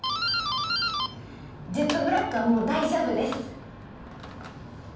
ジェットブラックはもう大丈夫です